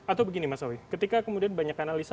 atau begini mas awi ketika kemudian banyak analisa